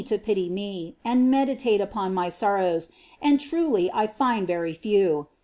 533 me, and meditate upon my sorrows, and truly I find very few.